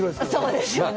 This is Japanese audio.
そうですよね。